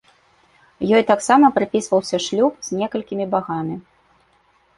Ёй таксама прыпісваўся шлюб з некалькімі багамі.